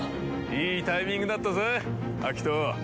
いいタイミングだったぜアキト！